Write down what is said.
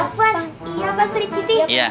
iya pak sri kitty